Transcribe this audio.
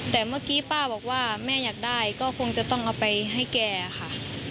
แต่เมื่อกี้ป้าบอกว่าแม่อยากได้ก็คงจะต้องเอาไปให้แกค่ะ